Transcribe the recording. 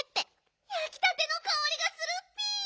やきたてのかおりがするッピ！